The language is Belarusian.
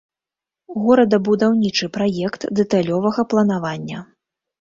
Горадабудаўнічы праект дэталёвага планавання.